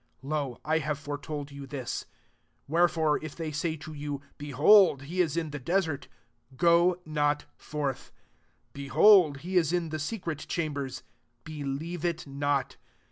25 Lo! I have " told you this. 26 Wherefore, they say to you, < Behold, he in the desert;* go not fort! * Behold, he is in the seci chambers ;' believe it not.